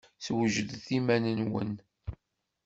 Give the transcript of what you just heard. Swejdet iman-nwen!